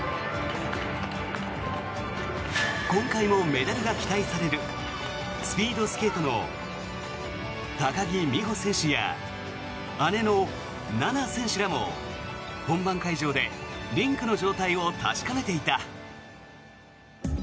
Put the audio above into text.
今回もメダルが期待されるスピードスケートの高木美帆選手や姉の菜那選手らも、本番会場でリンクの状態を確かめていた。